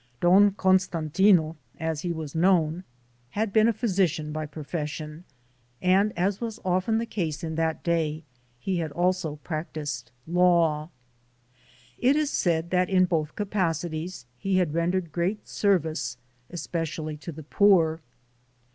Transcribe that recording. Don Costantino, as he was known, had been a physi cian by profession, and as was often the case in that day, he had also practiced law. It is said that in both capacities he had rendered great service, es pecially to the poor.